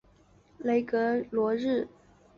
雷格罗日。